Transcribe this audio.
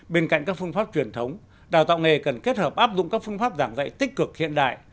bên cạnh các phương pháp truyền thống đào tạo nghề cần kết hợp áp dụng các phương pháp giảng dạy tích cực hiện đại